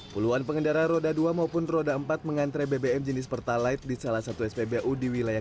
puluhan pengendara roda dua maupun roda empat mengantre bbm jenis pertalite di salah satu spbu di wilayah